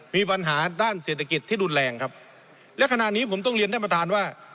มีปัญหาด้านเศรษฐกิจที่รุนแรงครับและขณะนี้ผมต้องเรียนท่านประธานว่า